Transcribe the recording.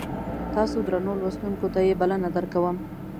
تاسو درنو لوستونکو ته یې بلنه درکوم.